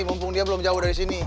mumpung dia belum jauh dari sini